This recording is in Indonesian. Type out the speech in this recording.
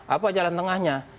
apa jalan tengahnya